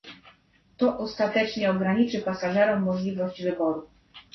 To ostatecznie ograniczy pasażerom możliwość wyboru